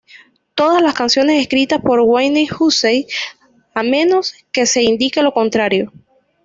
Todas las canciones escritas por Wayne Hussey, a menos que se indique lo contrario.